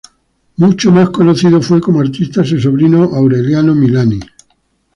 Mucho más conocido fue como artista su sobrino, Aureliano Milani.